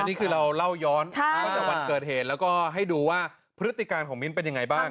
นี่คือเราเล่าย้อนตั้งแต่วันเกิดเหตุแล้วก็ให้ดูว่าพฤติการของมิ้นเป็นยังไงบ้าง